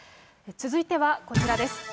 続いては、こちらです。